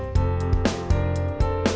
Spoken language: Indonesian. dan mas akan devi